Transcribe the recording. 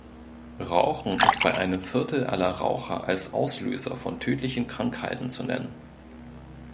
Rauchen ist bei einem Viertel aller Raucher als Auslöser von tödlichen Krankheiten zu nennen.